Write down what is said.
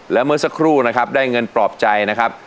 และเมื่อสักครู่นะครับได้เงินปลอบใจนะครับ